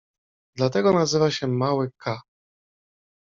Dlatego nazywa się mały k.